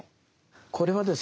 これはですね